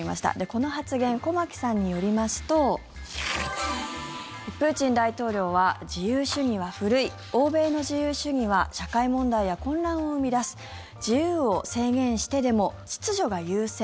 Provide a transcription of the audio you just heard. この発言、駒木さんによりますとプーチン大統領は自由主義は古い欧米の自由主義は社会問題や混乱を生み出す自由を制限してでも秩序が優先